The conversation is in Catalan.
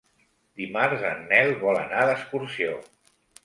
Dimarts en Nel vol anar d'excursió.